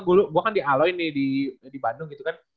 gue kan di aloy nih di bandung gitu kan